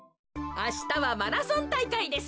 あしたはマラソンたいかいです。